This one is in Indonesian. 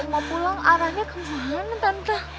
mau pulang arahnya kemana tante